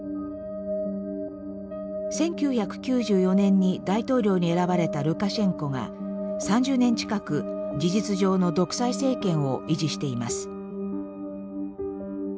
１９９４年に大統領に選ばれたルカシェンコが３０年近く事実上の独裁政権を維持しています。